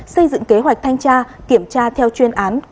xây dựng kế hoạch thanh tra kiểm tra theo chuyên án